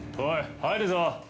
入るぞ！